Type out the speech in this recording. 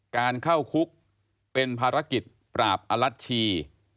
การเข้าคุกเป็นภารกิจปราบอลัชชี